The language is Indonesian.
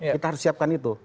kita harus siapkan itu